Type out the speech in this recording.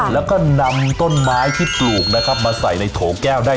แล้วก็นำต้นไม้ที่ปลูกนะครับมาใส่ในโถแก้วได้